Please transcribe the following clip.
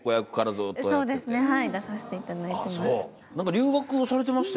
はい出させていただいてます。